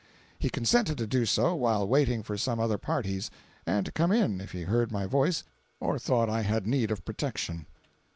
He consented to do so while waiting for some other parties, and to come in if he heard my voice or thought I had need of protection.